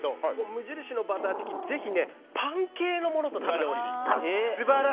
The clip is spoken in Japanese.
良品のバターチキンはぜひパン系のものと食べてほしい。